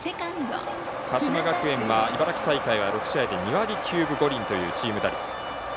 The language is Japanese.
鹿島学園は茨城大会は６試合で２割９分５厘というチーム打率。